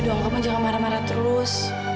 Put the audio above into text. udah dong kamu jangan marah marah terus